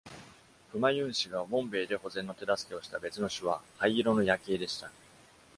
フマユーン氏がボンベイで保全の手助けをした別の種は灰色の野鶏でした。